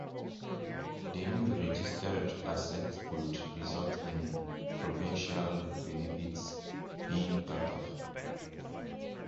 The new registered asset could result in provincial benefits being cut off.